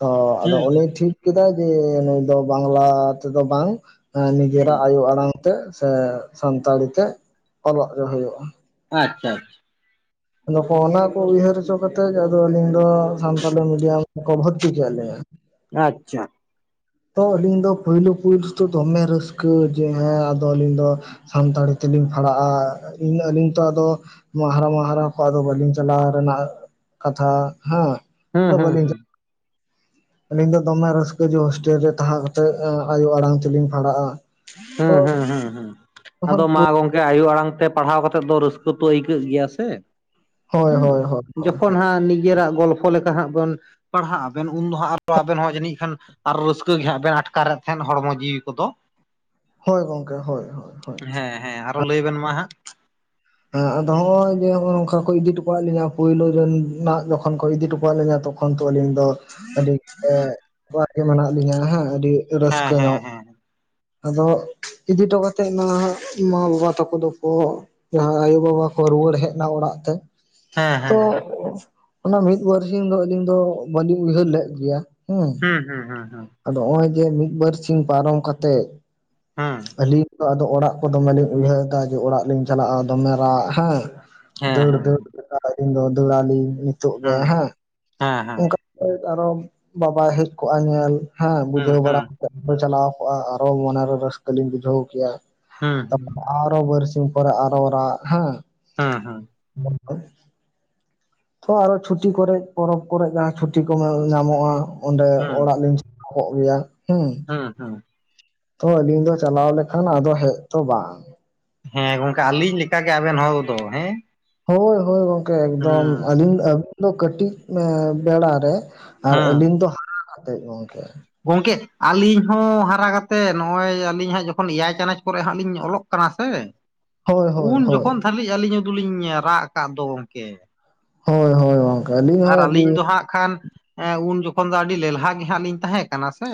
ᱛᱚ ᱟᱫᱚ ᱦᱩᱸ ᱩᱱᱤ ᱦᱩᱸ ᱴᱷᱤᱠ ᱠᱮᱫᱟᱭ ᱡᱮ ᱱᱩᱭ ᱫᱚ ᱵᱟᱝᱞᱟ ᱛᱮᱫᱚ ᱵᱟᱝ ᱮᱸ ᱦᱩᱸ ᱱᱤᱡᱮᱨᱟᱜ ᱟᱭᱳ ᱟᱲᱟᱝ ᱛᱮ ᱥᱮ ᱥᱟᱱᱛᱟᱲᱤ ᱛᱮ ᱚᱞᱚᱜ ᱪᱚ ᱦᱩᱭᱩᱜᱼᱟ᱾ ᱟᱪᱪᱷᱟ ᱟᱪᱪᱷᱟ᱾ ᱟᱫᱚ ᱠᱚ ᱚᱱᱟ ᱠᱚ ᱩᱭᱦᱟᱹᱨ ᱦᱚᱪᱚ ᱠᱟᱛᱮᱫ ᱟᱫᱚ ᱟᱹᱞᱤᱧ ᱫᱚ ᱥᱟᱱᱛᱟᱞᱤ ᱢᱤᱰᱤᱭᱟᱢ ᱛᱮᱠᱚ ᱵᱷᱚᱨᱛᱤ ᱠᱮᱫ ᱞᱤᱧᱟ᱾ ᱟᱪᱪᱷᱟ᱾ ᱛᱚ ᱟᱹᱞᱤᱧ ᱫᱚ ᱯᱩᱭᱞᱩ ᱯᱩᱭᱞᱩ ᱫᱚ ᱫᱚᱢᱮ ᱨᱟᱹᱥᱠᱟᱹ ᱡᱮ ᱦᱮᱸ ᱟᱫᱚ ᱟᱹᱞᱤᱧ ᱫᱚ ᱥᱟᱱᱛᱟᱲᱤ ᱛᱮᱞᱤᱧ ᱯᱷᱟᱲᱟᱜᱼᱟ ᱤᱧ ᱟᱹᱞᱤᱧ ᱛᱚ ᱟᱫᱚ ᱦᱟᱦᱟᱨᱟ ᱢᱟᱦᱟᱨᱟ ᱠᱚ ᱟᱫᱚ ᱵᱟᱹᱞᱤᱧ ᱪᱟᱞᱟᱣ ᱨᱮᱱᱟᱜ ᱠᱟᱛᱷᱟ ᱦᱮᱸ᱾ ᱦᱩᱸ ᱦᱩᱸ ᱦᱩᱸ᱾ ᱟᱞᱤᱧ ᱫᱚ ᱫᱚᱢᱮ ᱨᱟᱹᱥᱠᱟᱹ ᱡᱚ ᱦᱳᱥᱴᱮᱞ ᱨᱮ ᱛᱟᱦᱮᱸ ᱠᱟᱛᱮᱫ ᱟᱭᱳ ᱟᱲᱟᱝ ᱛᱮᱞᱤᱧ ᱯᱷᱟᱲᱟᱜᱼᱟ᱾ ᱦᱩᱸ ᱦᱩᱸ ᱦᱩᱸ ᱦᱩᱸ, ᱟᱫᱚ ᱢᱟ ᱜᱚᱝᱠᱮ ᱟᱭᱳ ᱟᱲᱟᱝ ᱛᱮ ᱯᱟᱲᱦᱟᱣ ᱠᱟᱛᱮᱜ ᱫᱚ ᱨᱟᱹᱥᱠᱟᱹ ᱛᱚ ᱟᱹᱭᱠᱟᱹᱜ ᱜᱮᱭᱟ ᱥᱮ᱾ ᱦᱳᱭ ᱦᱩᱸ, ᱦᱳᱭ ᱦᱳᱭ ᱦᱳᱭ ᱡᱚᱠᱷᱚᱱ ᱦᱟᱸᱜ ᱱᱤᱡᱮᱨᱟᱜ ᱜᱚᱞᱯᱷᱚ ᱞᱮᱠᱟ ᱦᱟᱸᱜ ᱵᱚᱱ ᱯᱟᱲᱦᱟᱜᱼᱟ ᱵᱮᱱ ᱩᱱ ᱫᱚ ᱦᱟᱸᱜ ᱟᱨᱚ ᱟᱵᱮᱱ ᱦᱚᱸ ᱡᱟᱹᱱᱤᱡ ᱠᱷᱟᱱ ᱟᱨ ᱨᱟᱹᱥᱠᱟᱹ ᱜᱮ ᱦᱟᱸᱜ ᱵᱮᱱ ᱟᱴᱠᱟᱨᱮᱫ ᱛᱟᱦᱮᱸᱱ ᱦᱚᱲᱢᱚ ᱡᱤᱣᱤ ᱠᱚᱫᱚ᱾ ᱦᱳᱭ ᱜᱚᱝᱠᱮ ᱦᱳᱭ ᱦᱳᱭ ᱦᱳᱭ᱾ ᱦᱮᱸ ᱦᱮᱸ ᱟᱨᱚ ᱞᱟᱹᱭ ᱵᱮᱱ ᱢᱟ ᱦᱟᱸᱜ᱾ ᱦᱮᱸ ᱟᱫᱚ ᱦᱚᱸᱜ-ᱚᱭ ᱡᱮ ᱦᱚᱸᱜᱼᱚᱭ ᱱᱚᱝᱠᱟ ᱠᱚ ᱤᱫᱤ ᱦᱚᱴᱚ ᱠᱟᱜ ᱞᱤᱧᱟ ᱯᱳᱭᱞᱳ ᱡᱚ ᱱᱟᱜ ᱡᱚᱠᱷᱚᱱ ᱠᱚ ᱤᱫᱤ ᱦᱚᱴᱚ ᱠᱟᱜ ᱞᱤᱧᱟ ᱛᱚ ᱠᱷᱚᱱ ᱛᱚ ᱟᱞᱤᱧ ᱫᱚ ᱟᱹᱰᱤ [inaudible] ᱜᱮ ᱢᱮᱱᱟᱜ ᱞᱤᱧᱟᱹ ᱦᱮᱸ ᱟᱹᱰᱤ ᱦᱮᱸ ᱨᱟᱹᱥᱠᱟᱹ ᱦᱮᱸ ᱧᱚᱜ᱾ ᱦᱮᱸ ᱟᱫᱚ ᱤᱫᱤ ᱦᱚᱴᱚ ᱠᱟᱛᱮᱫ ᱱᱟᱦᱟᱜ ᱢᱟ ᱵᱟᱵᱟ ᱛᱟᱠᱚ ᱫᱚᱠᱚ ᱡᱟᱦᱟᱭ ᱟᱭᱳ ᱵᱟᱵᱟ ᱠᱚ ᱨᱩᱣᱟᱹᱲ ᱦᱮᱡᱱᱟ ᱚᱲᱟᱜ ᱛᱮ᱾ ᱦᱮᱸ ᱛᱚ ᱦᱮᱸ ᱚᱱᱟ ᱢᱤᱫ--ᱵᱟᱨᱥᱤᱧ ᱫᱚ ᱟᱹᱞᱤᱧ ᱫᱚ ᱵᱟᱹᱞᱤᱧ ᱩᱭᱦᱟᱹᱨ ᱞᱮᱫ ᱜᱮᱭᱟ ᱦᱮᱸ᱾ ᱦᱮᱸ ᱦᱩᱸ ᱦᱩ ᱦᱩᱸ ᱟᱫᱚ ᱚᱸᱭ ᱡᱮ ᱢᱤᱫ ᱵᱟᱨ ᱥᱤᱧ ᱯᱟᱨᱚᱢ ᱠᱟᱛᱮᱜ ᱦᱩᱸ ᱟᱹᱞᱤᱧ ᱟᱫᱚ ᱟᱫᱚ ᱚᱲᱟᱜ ᱠᱚ ᱫᱚᱢᱮ ᱞᱤᱧ ᱩᱭᱦᱟᱹᱨ ᱫᱟ ᱡᱮ ᱚᱲᱟᱜ ᱞᱤᱧ ᱪᱟᱞᱟᱜᱼᱟ ᱫᱚᱢᱮ ᱨᱟᱜ ᱦᱮᱸ᱾ ᱦᱮᱸ ᱫᱟᱹᱲ ᱦᱮᱸ ᱫᱟᱹᱲ ᱟᱹᱞᱤᱧ ᱫᱚ ᱫᱟ. ᱲᱟᱞᱤᱧ ᱱᱤᱛᱚᱜ ᱜᱮ ᱦᱩᱸ ᱦᱮᱸ᱾ ᱦᱮᱸ ᱦᱮᱸ ᱚᱝᱠᱟ ᱟᱨᱚ ᱵᱟᱵᱟ ᱦᱮᱡ ᱠᱚᱜᱼᱟ ᱧᱮᱞ ᱦᱮᱸ᱾ ᱦᱩᱸ ᱵᱩᱡᱷᱟᱹᱣ ᱦᱩᱸ ᱵᱟᱲᱟ ᱪᱟᱞᱟᱣ ᱠᱚᱜᱼᱟ᱾ ᱟᱨᱚ ᱢᱚᱱᱮᱨᱮ ᱨᱟᱹᱥᱠᱟᱹ ᱞᱤᱧ ᱵᱩᱡᱷᱟᱹᱣ ᱠᱮᱭᱟ᱾ ᱦᱩᱸ ᱛᱟᱯᱚᱨ ᱟᱨᱚ ᱵᱟᱨᱥᱤᱧ ᱯᱚᱨᱮ ᱟᱨᱚ ᱨᱟᱜ ᱦᱮᱸ᱾ ᱦᱮᱸ ᱦᱮᱸ᱾ [inaudible] ᱛᱚ ᱟᱨᱚ ᱪᱷᱩᱴᱤ ᱠᱚᱨᱮᱜ, ᱯᱚᱨᱚᱵ ᱠᱚᱨᱮᱜ ᱡᱟᱦᱟ ᱪᱷᱩᱴᱤ ᱠᱚ ᱧᱟᱢᱚᱜᱼᱟ ᱚᱸᱰᱮ ᱚᱲᱟᱜ ᱞᱤᱧ ᱧᱟᱢᱚ ᱜᱮᱭᱟ ᱦᱮᱸ᱾ ᱦᱮᱸ ᱦᱮᱸ᱾ ᱛᱚ ᱟᱞᱤᱧ ᱫᱚ ᱪᱟᱞᱟᱣ ᱞᱮᱠᱷᱟᱱ ᱟᱫᱚ ᱦᱮᱡ ᱛᱚ ᱵᱟᱝ᱾ ᱦᱮᱸ ᱜᱚᱝᱠᱮ ᱟᱹᱞᱤᱧ ᱞᱮᱠᱟ ᱜᱮ ᱟᱵᱮᱱ ᱦᱚᱲ ᱫᱚ ᱦᱮᱸ᱾ ᱦᱳᱭ ᱦᱳᱭ ᱜᱚᱝᱠᱮ ᱮᱠᱫᱚᱢ ᱦᱩᱸ ᱟᱹᱞᱤᱧ ᱟᱹᱵᱤᱱ ᱫᱚ ᱠᱟᱹᱴᱤᱡ ᱮᱸ ᱵᱮᱲᱟ ᱨᱮ ᱟᱨ ᱟ. ᱦᱩᱸ ᱞᱤᱧ ᱫᱚ ᱦᱟᱨᱟ ᱠᱟᱛᱮᱫ ᱜᱚᱝᱠᱮ᱾ ᱜᱚᱝᱠᱮ ᱟᱹᱞᱤᱧ ᱦᱚᱸ ᱦᱟᱨᱟ ᱠᱟᱛᱮᱜ ᱱᱚᱜᱼᱚᱭ ᱟᱹᱞᱤᱧ ᱦᱟᱸᱜ ᱡᱚᱠᱷᱚᱱ ᱮᱭᱟᱭ ᱪᱟᱱᱟᱪ ᱠᱚᱨᱮ ᱦᱟᱸᱜ ᱞᱤᱧ ᱚᱞᱚᱜ ᱠᱟᱱᱟ ᱥᱮ᱾ ᱦᱳᱭ ᱦᱳᱭ ᱩᱱ ᱦᱳᱭ ᱡᱚᱠᱷᱚᱱ ᱫᱷᱟ. ᱞᱤᱡ ᱟᱹᱞᱤᱧᱚ ᱫᱚ ᱞᱤᱧ ᱨᱟᱜ ᱟᱠᱟᱫ ᱫᱚ ᱜᱚᱝᱠᱮ᱾ ᱦᱳᱭ ᱦᱳᱭ ᱜᱚᱝ ᱟᱨ ᱟᱹᱞᱤᱧ ᱫᱚ ᱦᱟᱸᱜ ᱠᱷᱟᱱ ᱮᱸ ᱩᱱ ᱡᱚᱠᱷᱚᱱ ᱫᱚ ᱟᱹᱰᱤ ᱞᱮᱞᱦᱟ ᱜᱮ ᱦᱟᱜ ᱞᱤᱧ ᱛᱟᱦᱮ ᱠᱟᱱᱟ ᱥᱮ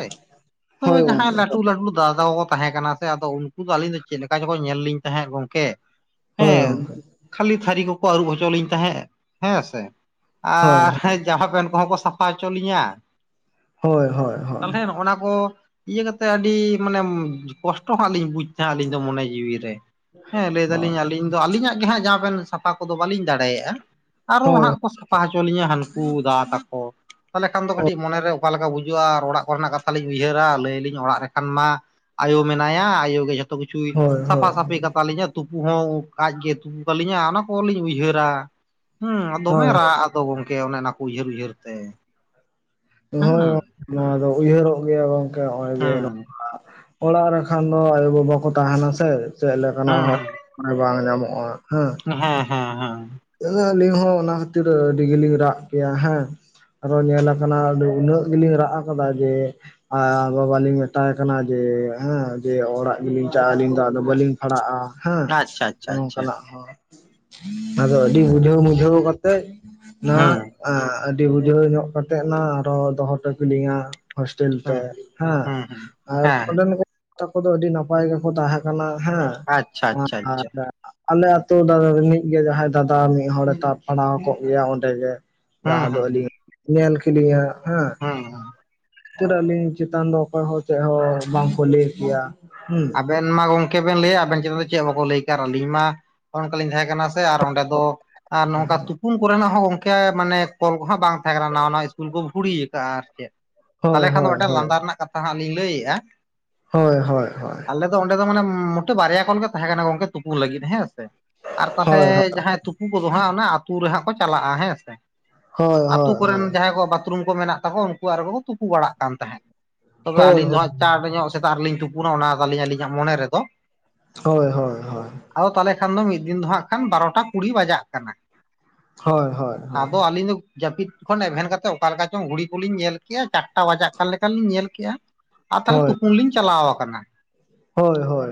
ᱛᱚᱵᱮ ᱦᱳᱭ ᱡᱟᱦᱟᱸ ᱜᱚᱝᱠᱮ ᱞᱟᱹᱴ ᱴᱩ ᱞᱟᱹᱴᱩ ᱫᱟᱫᱟ ᱛᱟᱠᱚ ᱠᱚ ᱛᱟᱦᱮᱸ ᱠᱟᱱᱟ ᱥᱮ ᱟᱫᱚ ᱩᱱᱠᱩ ᱫᱚ ᱟᱹᱞᱤᱧ ᱫᱚ ᱪᱮᱫ ᱞᱮᱠᱟ ᱪᱚᱠᱚ ᱧᱮᱞ ᱞᱤᱧ ᱛᱟᱦᱮᱸᱫ ᱜᱚᱝᱠᱮ᱾ ᱦᱳᱭ ᱦᱮᱸ ᱜᱚᱝᱠᱮ ᱠᱷᱟᱹᱞᱤ ᱛᱷᱟᱹᱨᱤ ᱠᱚᱠᱚ ᱟᱹᱨᱩᱵ ᱦᱚᱪᱚ ᱞᱤᱧ ᱛᱟᱦᱮᱸᱫ ᱦᱮᱸ ᱥᱮ᱾ ᱦᱳᱭ ᱟᱨ ᱡᱟᱢᱟ ᱯᱮᱱ ᱠᱚᱦᱚᱸ ᱠᱚ ᱥᱟᱯᱷᱟ ᱦᱚᱪᱚ ᱞᱤᱧᱟ᱾ ᱦᱳᱭ ᱦᱳᱭ ᱦᱳᱭ ᱦᱳᱭ ᱛᱟᱞᱦᱮ ᱱᱚᱜ-ᱚᱱᱟ ᱠᱚ ᱤᱭᱟᱹ ᱠᱟᱛᱮᱜ ᱟᱹᱰᱤ ᱢᱟᱱᱮ ᱠᱚᱥᱴᱚ ᱦᱟᱸᱜ ᱞᱤᱧ ᱵᱩᱡ ᱛᱟᱦᱮᱸ ᱱᱟ ᱟᱹᱞᱤᱧ ᱫᱚ ᱢᱚᱱᱮ ᱡᱤᱣᱤ ᱨᱮ᱾ ᱦᱮᱸ ᱞᱟᱹᱭ ᱫᱟᱞᱤᱧ ᱟᱹᱞᱤᱧ ᱫᱚ ᱟᱹᱞᱤᱧᱟᱜ ᱜᱮᱦᱟᱸᱜ ᱡᱟᱢᱟ ᱯᱮᱱ ᱥᱟᱯᱷᱟ ᱠᱚᱫᱚ ᱵᱟᱹᱞᱤᱧ ᱫᱟᱲᱮᱭᱟᱜᱼᱟ᱾ ᱟᱨᱚ ᱦᱳᱭ ᱦᱟᱸᱜ ᱠᱚ ᱥᱟᱯᱷᱟ ᱦᱚᱪᱚ ᱞᱤᱧᱟᱹ ᱦᱟᱹᱱᱠᱩ ᱫᱟᱫᱥ ᱛᱟᱠᱚ᱾ ᱛᱟᱦᱚᱞᱮ ᱠᱷᱟᱱ ᱫᱚ ᱠᱟᱹᱴᱤᱡ ᱢᱚᱱᱮᱨᱮ ᱚᱠᱟ ᱞᱮᱠᱟ ᱵᱳᱡᱟ. ᱜᱼᱟ ᱟᱨ ᱚᱲᱟᱜ ᱠᱚᱨᱮᱱᱟᱜ ᱠᱟᱛᱷᱟ ᱞᱤᱧ ᱩᱭᱦᱟᱹᱨᱟ ᱞᱟᱹᱭ ᱟᱹᱞᱤᱧ ᱚᱲᱟᱜ ᱨᱮᱠᱷᱟᱱ ᱢᱟ ᱟᱭᱳ ᱢᱮᱱᱟᱭᱟ, ᱟᱭᱳ ᱜᱮ ᱡᱷᱚᱛᱚ ᱠᱤᱪᱷᱩᱭ ᱦᱳᱭ ᱦᱳᱭ ᱥᱟᱯᱷᱟ ᱥᱟᱯᱷᱤ-ᱼ ᱟᱯᱮ ᱠᱟᱛᱟ ᱞᱤᱧᱟ ᱛᱩᱯᱩ ᱦᱚᱸ ᱟᱡ ᱜᱮ ᱛᱩᱯᱩ ᱠᱟᱞᱤᱧᱟ᱾ ᱚᱱᱟ ᱠᱚᱦᱚ ᱞᱤᱧ ᱩᱭᱦᱟᱹᱨᱟ᱾ ᱦᱮᱸ ᱟᱨ ᱫᱚᱢᱮ ᱦᱳᱭ ᱨᱟᱜ ᱟᱫᱚ ᱜᱚᱝᱠᱮ ᱚᱱᱮ ᱚᱱᱟ ᱠᱚ ᱩᱭᱦᱟᱹᱨ ᱩᱭᱦᱟᱹᱨ ᱛᱮ᱾ ᱦᱳᱭ ᱦᱩᱸ ᱜᱚᱝ ᱱᱚᱣᱟ ᱫᱚ ᱩᱭᱦᱟᱹᱨᱚᱜ ᱜᱮᱭᱟ ᱜᱚᱝᱠᱮ ᱱᱚᱜᱼᱚᱭ ᱡᱮ ᱦᱩᱸ ᱱᱚᱜ-ᱚᱱᱟ ᱚᱲᱟᱜ ᱨᱮᱠᱷᱟᱱ ᱫᱚ ᱟᱭᱳᱼᱵᱟᱵᱟ ᱠᱚ ᱛᱟᱦᱮᱱᱟ ᱥᱮ᱾ ᱪᱮᱫ ᱞᱮᱠᱟᱱᱟᱜ ᱦᱩᱸ ᱦᱚᱸ ᱵᱟᱝ ᱧᱟᱢᱚᱜᱼᱟ ᱦᱮᱸ᱾ ᱦᱮᱸ ᱦᱮᱸ ᱦᱮᱸ᱾ ᱟᱹᱞᱤᱧ ᱦᱚᱸ ᱚᱱᱟ ᱠᱷᱟᱹᱛᱤᱨ ᱟᱹᱰᱤ ᱜᱮᱞᱤᱧ ᱨᱟᱜ ᱠᱮᱭᱟ ᱦᱮᱸ᱾ ᱟᱨᱚ ᱧᱮᱞ ᱠᱟᱱᱟ ᱟᱫᱚ ᱩᱱᱟᱹᱜ ᱜᱮᱞᱤᱧ ᱨᱟᱜ ᱟᱠᱟᱫᱟ ᱡᱮ ᱟᱨ ᱵᱟᱵᱟ ᱞᱤᱧ ᱢᱮᱛᱟᱭ ᱠᱟᱱᱟ ᱡᱮ ᱦᱮᱸ ᱡᱮ ᱚᱲᱟᱜ ᱜᱮᱞᱤᱧ ᱪᱟᱜᱼᱟ ᱟᱹᱞᱤᱧ ᱫᱚ ᱵᱟᱹᱞᱤᱧ ᱯᱷᱟᱲᱟᱜᱼᱟ ᱦᱮᱸ᱾ ᱟᱪᱪᱷᱟ ᱟᱪᱪᱷᱟ ᱱᱚᱱᱮ ᱟᱪᱪᱷᱟ ᱚᱱᱠᱟᱱᱟᱜ ᱦᱚᱸ᱾ ᱟᱫᱚ ᱟᱹᱰᱤ ᱵᱩᱡᱷᱟᱹᱣ ᱢᱩᱡᱷᱟᱹᱣ ᱠᱟᱛᱮᱜ ᱛᱮᱡ ᱱᱟ ᱦᱩᱸ ᱮᱸ ᱟᱹᱰᱤ ᱵᱩᱡᱷᱟᱹᱣ ᱧᱚᱜ ᱠᱟᱛᱮᱫ ᱱᱟ ᱟᱨᱚ ᱫᱚᱦᱚ ᱦᱚᱴᱚ ᱠᱤᱞᱤᱧᱟ᱾ ᱦᱳᱥᱴᱮᱞ ᱛᱮ ᱦᱩᱸ ᱦᱮᱸ ᱦᱩᱸ ᱦᱩᱸ ᱟᱨ ᱦᱮᱸ ᱚᱸᱰᱮᱱ ᱠᱚ ᱛᱟᱠᱚ ᱫᱚ ᱟᱹᱰᱤ ᱱᱟᱯᱟᱭ ᱜᱮᱠᱚ ᱛᱟᱦᱮᱸ ᱠᱟᱱᱟ ᱦᱮᱸ ᱟᱪᱪᱷᱟ ᱟᱪᱪᱷᱟ ᱟᱪᱪᱷᱟ ᱟᱨ ᱟᱞᱮ ᱟᱹᱛᱩ ᱨᱤᱱᱤᱡ ᱜᱮ ᱡᱟᱦᱟᱸᱭ ᱫᱟᱫᱟ᱾ ᱢᱤᱫ ᱦᱚᱲᱮᱸ ᱛᱟᱵ ᱯᱟᱲᱟᱣ ᱠᱚᱜ ᱜᱮᱭᱟ ᱚᱸᱰᱮ ᱜᱮ᱾ ᱦᱩᱸ ᱡᱟᱦᱟᱸ ᱫᱚ ᱦᱩᱸ ᱟᱹᱞᱤᱧ ᱧᱮᱞ ᱠᱤᱞᱤᱧᱼᱟ᱾ ᱦᱮᱸ ᱦᱩᱸ ᱦᱩ ᱸ ᱟᱹᱞᱤᱧ ᱪᱮᱛᱟᱱ ᱫᱚᱸ ᱚᱠᱚᱭ ᱦᱚᱸ ᱪᱮᱫ ᱦᱚᱸ ᱵᱟᱝᱠᱚ ᱞᱟᱹᱭ ᱠᱮᱭᱟ᱾ ᱦᱮᱸ ᱟᱵᱮᱱ ᱢᱟ ᱜᱚᱝᱠᱮ ᱵᱮᱱ ᱞᱟᱹᱭᱼᱟ ᱾ ᱟᱵᱮᱱ ᱪᱮᱛᱟᱱ ᱫᱚ ᱪᱮᱫ ᱵᱟᱠᱚ ᱞᱟᱹᱭ ᱠᱮ ᱟᱹᱞᱤᱧ ᱢᱟ᱾ ᱚᱱᱠᱟ ᱞᱤᱧ ᱛᱟᱦᱮᱸ ᱠᱟᱱᱟ ᱥᱮ, ᱟᱨ ᱚᱸᱰᱮ ᱫᱚᱸ ᱟᱨ ᱱᱚᱝᱠᱟ ᱛᱩᱯᱩᱱ ᱠᱚᱨᱮᱱᱟᱜ ᱦᱚᱸ, ᱜᱚᱝᱠᱮ ᱢᱟᱱᱮ ᱠᱚᱞ ᱠᱚᱼᱦᱚᱸ ᱵᱟᱝ [unintelligible] ᱱᱟᱣᱟ ᱤᱥᱠᱩᱞ ᱠᱚ ᱵᱷᱩᱲᱤ ᱣᱟᱠᱟᱜᱼᱟ᱾ ᱟᱨ ᱪᱮᱫ ᱛᱟᱦᱚᱞᱮ ᱦᱳᱭ ᱠᱷᱟᱱ ᱫᱚ ᱦᱳᱭ ᱢᱤᱫᱴᱮᱱ ᱦᱳᱭ ᱞᱟᱸᱫᱟ ᱨᱮᱱᱟᱜ ᱠᱟᱛᱷᱟ ᱦᱟᱸᱜ ᱞᱤᱧ ᱞᱟᱹᱭᱮᱫᱼᱟ᱾ ᱦᱳᱭ ᱦᱚᱭ ᱦᱚᱸ ᱟᱞᱮ ᱫᱚ ᱚᱸᱰᱮ ᱫᱚ ᱢᱟᱱᱮ, ᱢᱚᱴᱮᱸ ᱵᱟᱨᱭᱟᱞ ᱜᱮ ᱛᱟᱦᱮᱸ ᱠᱟᱱᱟ ᱜᱚᱝᱠᱮ, ᱛᱩᱯᱩᱱ ᱞᱟᱹᱜᱤᱫ ᱦᱮᱸ ᱥᱮ᱾ ᱟᱨ ᱛᱟᱦᱞᱮ ᱦᱳᱭ ᱦᱳᱭ ᱡᱟᱦᱟᱸᱭ ᱛᱩᱯᱩ ᱠᱚᱼᱫᱚ ᱦᱟᱸᱜ, ᱚᱱᱟ ᱟᱹᱛᱩ ᱨᱮ ᱦᱟᱸᱜ ᱠᱚ ᱪᱟᱞᱟᱜᱼᱟ ᱾ᱦᱮᱸ ᱥᱮ ᱦᱳᱭ ᱟᱹᱛᱩ ᱦᱳᱭ ᱠᱚᱨᱮᱱ ᱦᱳᱭ ᱡᱟᱦᱟᱸᱭ ᱠᱚᱜ ᱵᱟᱛᱷᱨᱩᱢ ᱠᱚ ᱢᱮᱱᱟᱜ ᱛᱟᱠᱚᱣ-ᱟ᱾ ᱩᱱᱠᱩᱣᱟᱜ ᱨᱮᱜᱮ ᱠᱚ ᱛᱩᱯᱩ ᱵᱟᱲᱟᱜ ᱠᱟᱱ ᱛᱟᱦᱮᱸᱫ᱾ ᱛᱚᱵᱮ ᱦᱳᱭ ᱟᱹᱞᱤᱧ ᱫᱚ ᱦᱳᱭ ᱦᱟᱸᱜ ᱪᱟᱬᱸ ᱧᱚᱜ ᱥᱮᱛᱟᱜ ᱨᱮᱞᱤᱧ ᱛᱩᱯᱩᱱᱟ᱾ ᱚᱱᱟ ᱛᱟᱞᱤᱧ ᱟᱹᱞᱤᱧᱟᱜ ᱢᱚᱱᱮ ᱨᱮᱫᱚ᱾ ᱦᱳᱭ, ᱦᱳᱭ᱾ ᱦᱳᱭ ᱟᱫᱚ ᱛᱟᱦᱚᱞᱮ ᱠᱷᱟᱱ ᱫᱚ ᱢᱤᱫ ᱫᱤᱱ ᱫᱚ ᱦᱟᱜ, ᱠᱷᱟᱱ ᱵᱟᱨᱚᱴᱟ ᱠᱩᱲᱤ ᱵᱟᱡᱟᱜ ᱠᱟᱱᱟ᱾ ᱦᱳᱭ ᱦᱳᱭ ᱟᱫᱚ ᱟᱹᱞᱤᱧ ᱫᱚ ᱡᱟᱹᱯᱤᱫ ᱠᱷᱚᱱ ᱮᱵᱽᱷᱮᱱ ᱠᱟᱛᱮᱫ ᱚᱠᱟ ᱞᱮᱠᱟ ᱪᱚᱝ ᱜᱷᱩᱲᱤ ᱠᱚᱞᱤᱧ ᱧᱮᱞ ᱠᱮᱫᱮᱜᱼᱟ᱾ ᱪᱟᱨᱴᱟ ᱵᱟᱡᱟᱜ ᱠᱟᱱ ᱞᱮᱠᱟ ᱞᱤᱧ ᱧᱮᱞ ᱠᱮᱜᱼᱟ᱾ ᱟᱨ ᱛᱟᱦᱞᱮ ᱦᱳᱭ ᱛᱩᱯᱩᱱ ᱞᱤᱧ ᱪᱟᱞᱟᱣ ᱟᱠᱟᱱᱟ᱾ ᱦᱳᱭ ᱦᱳᱭ